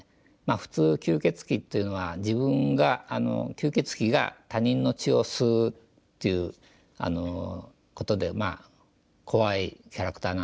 普通吸血鬼というのは自分が吸血鬼が他人の血を吸うっていうことでまあ怖いキャラクターなんですけども。